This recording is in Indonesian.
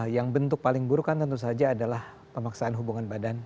yang bentuk paling buruk kan tentu saja adalah pemaksaan hubungan badan